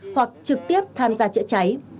hoặc trực tiếp tham gia chữa cháy